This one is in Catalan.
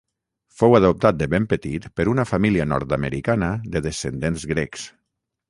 Fou adoptat de ben petit per una família nord-americana de descendents grecs.